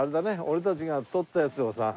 俺たちがとったやつをさ